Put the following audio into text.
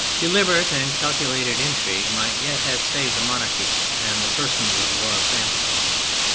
Deliberate and calculated intrigue might yet have saved the monarchy and the persons of the royal family.